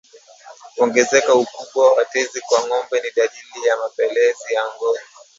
Kuongezeka ukubwa wa tezi kwa ngombe ni dalili ya mapele ya ngozi